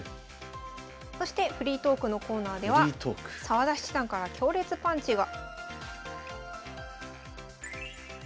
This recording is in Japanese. そしてフリートークのコーナーでは澤田七段から強烈パンチが。